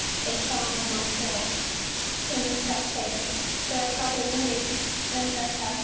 "A Psalm of Montreal" in the Spectator: There are probably many MSS.